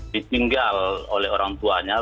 ditinggal oleh orang tuanya